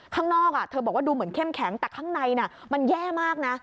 ข้างนอกเธอบอกว่าดูเหมือนเข้มแข็งแต่ข้างในมันแย่มากนะ